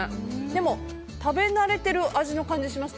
でも食べ慣れてる味の感じがします、